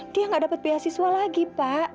dia nggak dapat beasiswa lagi pak